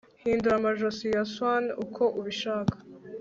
Hindura amajosi ya swan uko ubishaka